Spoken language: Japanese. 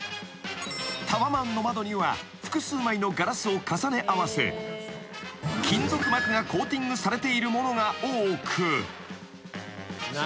［タワマンの窓には複数枚のガラスを重ね合わせ金属膜がコーティングされているものが多く］